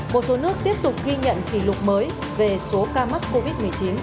một số nước tiếp tục ghi nhận kỷ lục mới về số ca mắc covid một mươi chín